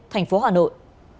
thành phố hà nội